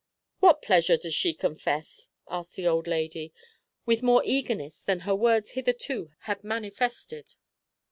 "What pleasure does she confess?" asked the old lady, with more eagerness than her words hitherto had manifested.